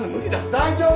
大丈夫！